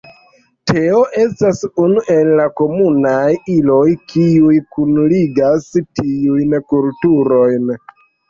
Teo estas unu el la komunaj iloj, kiuj kunligas tiujn kulturojn.